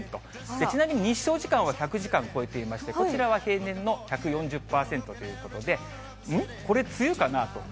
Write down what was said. ちなみに日照時間は１００時間を超えていまして、こちらは平年の１４０％ということで。